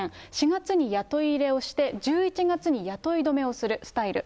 ４月に雇い入れをして、１１月に雇い止めをするスタイル。